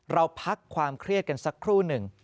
เราพักความเครียดกันสักครู่หนึ่ง